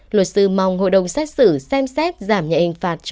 luật sư mong hội đồng xét xử xem xét giảm nhạy